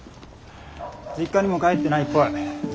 実家にも帰ってないっぽい。